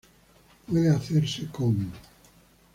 Puede hacerse con